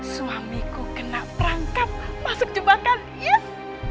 suamiku kena perangkap masuk jebakan yes